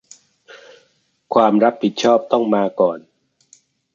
ความรับผิดชอบต้องมาก่อน